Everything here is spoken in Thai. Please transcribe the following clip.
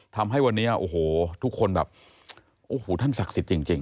ทำให้วันนี้โอ้โหทุกคนแบบโอ้โหท่านศักดิ์สิทธิ์จริง